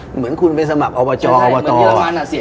เหมือนคุณไปสมัครอวัตร